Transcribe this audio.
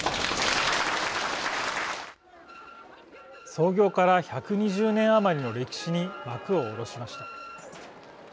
創業から１２０年余りの歴史に幕を下ろしました。